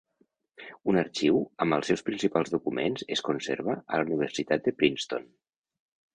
Un arxiu amb els seus principals documents es conserva a la Universitat de Princeton.